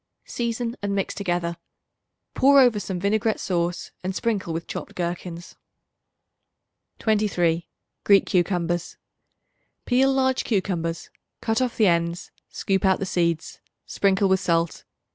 Season and mix together. Pour over some vinaigrette sauce, and sprinkle with chopped gherkins. 23. Greek Cucumbers. Peel large cucumbers; cut off the ends; scoop out the seeds; sprinkle with salt.